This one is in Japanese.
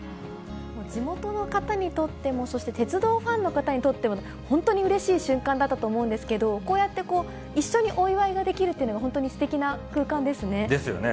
地元の方にとっても、そして鉄道ファンの方にとっても、本当にうれしい瞬間だったと思うんですけど、こうやって一緒にお祝いができるというのは、本当にすてきな空間ですよね。